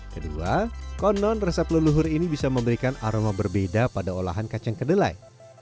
kedua konon resep leluhur ini bisa memberikan aroma berbeda pada olahan kacang kedelai